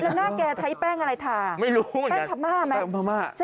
แล้วหน้าแกแท้แป้งอะไรทาแป้งพามา่ไหม